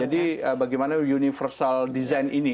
jadi bagaimana universal design ini